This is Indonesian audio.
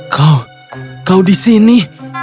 kau kau di sini